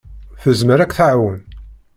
Tezmer ad k-tɛawen.